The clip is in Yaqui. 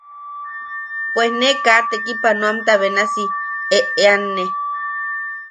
Pues ne kaa tekipanoanta benasi eʼeanne.